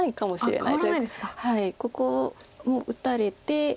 ここも打たれて。